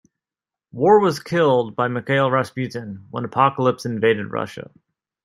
War was killed by Mikhail Rasputin when Apocalypse invaded Russia.